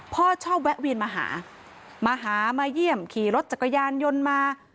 พ่อชอบแวะเวียนมาหามาหามาเยี่ยมขี่รถจักรยานยนต์มา